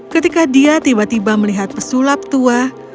ketika dia tiba tiba melihat pesulap tua